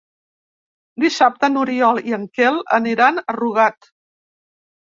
Dissabte n'Oriol i en Quel aniran a Rugat.